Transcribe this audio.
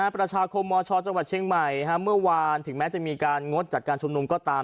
ประชาคมมชจังหวัดเชียงใหม่เมื่อวานถึงแม้จะมีการงดจัดการชุมนุมก็ตาม